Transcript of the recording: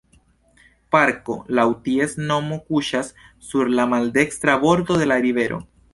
Parko laŭ ties nomo kuŝas sur la maldekstra bordo de la rivero.